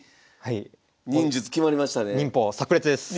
忍術決まりましたね。